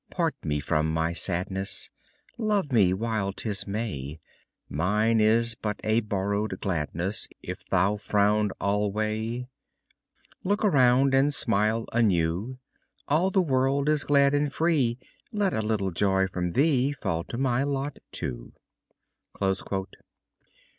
part me from my sadness. Love me while 'tis May; Mine is but a borrowed gladness If thou frown alway; Look around and smile anew! All the world is glad and free; Let a little joy from thee Fall to my lot too!